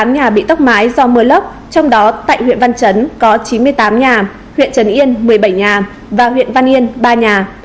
một trăm một mươi tám nhà bị tốc mái do mưa lốc trong đó tại huyện văn trấn có chín mươi tám nhà huyện trần yên một mươi bảy nhà và huyện văn yên ba nhà